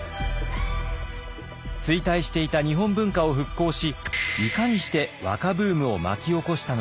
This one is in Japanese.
衰退していた日本文化を復興しいかにして和歌ブームを巻き起こしたのか。